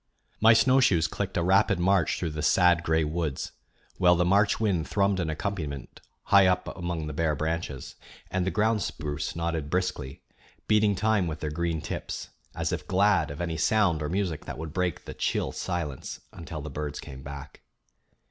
My snowshoes clicked a rapid march through the sad gray woods, while the March wind thrummed an accompaniment high up among the bare branches, and the ground spruce nodded briskly, beating time with their green tips, as if glad of any sound or music that would break the chill silence until the birds came back.